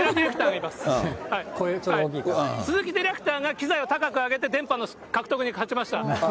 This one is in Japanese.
すずきディレクターが機材を高く上げて、電波の獲得に勝ちました。